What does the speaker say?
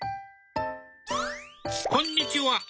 こんにちは。